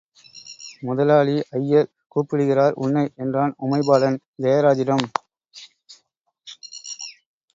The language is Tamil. முதலாளி அய்யர் கூப்பிடுகிறார் உன்னை! என்றான் உமைபாலன், ஜெயராஜிடம்.